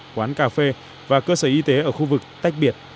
quán cà phê và cơ sở y tế ở khu vực tách biệt